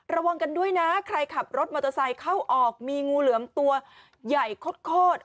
ระวังกันด้วยนะใครขับรถมอเตอร์ไซค์เข้าออกมีงูเหลือมตัวใหญ่โคตร